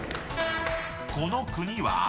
［この国は？］